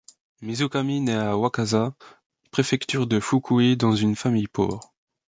Mizukami naît à Wakasa, préfecture de Fukui, dans une famille pauvre.